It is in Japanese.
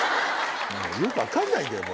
よく分かんないんだよ